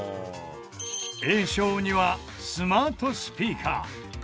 Ａ賞にはスマートスピーカー。